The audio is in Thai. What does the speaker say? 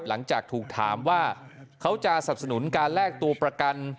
หลังจากถูกถามว่าเขาจะสับสนุนการแลกตัวประกัน